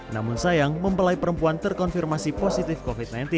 namun sayang mempelai perempuan terkonfirmasi positif covid sembilan belas